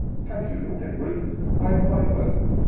(Thank you, Lord Edward, I am quite well.